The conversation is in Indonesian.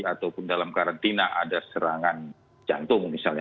ataupun dalam karantina ada serangan jantung misalnya